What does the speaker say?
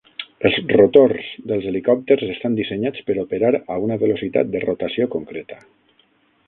Els rotors dels helicòpters estan dissenyats per operar a una velocitat de rotació concreta.